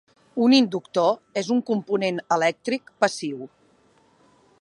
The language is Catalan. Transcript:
Un inductor és un component elèctric passiu.